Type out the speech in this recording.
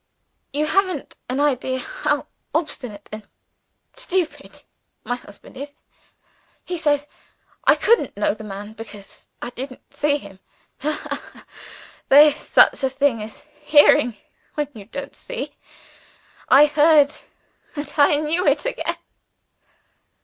You haven't an idea how obstinate and stupid my husband is. He says I couldn't know the man, because I didn't see him. Ha! there's such a thing as hearing, when you don't see. I heard and I knew it again."